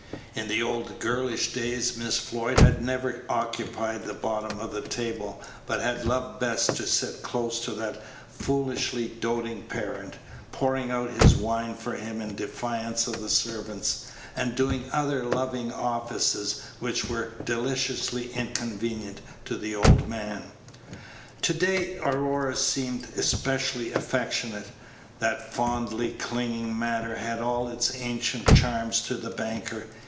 In the old girlish days Miss Floyd had never occupied the bottom of the table, but had loved best to sit close to that foolishly doting parent, pouring out his wine for him in defiance of the servants, and doing other loving offices which were deliciously inconvenient to the old man. To day Aurora seemed especially affectionate. That fondly clinging manner had all its ancient charm to the banker.